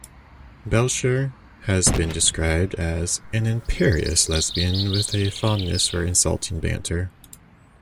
Belcher has been described as "an imperious lesbian with a fondness for insulting banter".